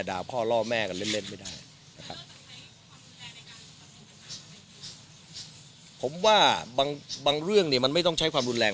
ด่าพ่อล่อแม่กันเล่นไม่ได้ผมว่าบางเรื่องนี้มันไม่ต้องใช้ความรุนแรง